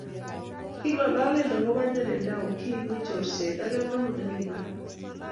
king'alale akobo nyalilda, ukimwi, chorset ak kemeut ne kibar biik